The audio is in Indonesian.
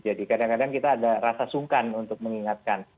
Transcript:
jadi kadang kadang kita ada rasa sungkan untuk mengingatkan